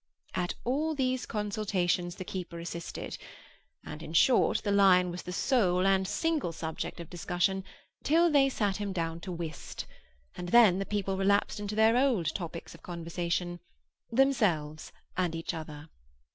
At all these consultations the keeper assisted; and, in short, the lion was the sole and single subject of discussion till they sat him down to whist, and then the people relapsed into their old topics of conversation—themselves and each other.